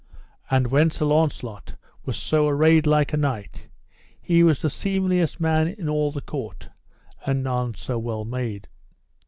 And when Sir Launcelot was so arrayed like a knight, he was the seemliest man in all the court, and none so well made.